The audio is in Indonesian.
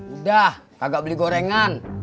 udah kagak beli gorengan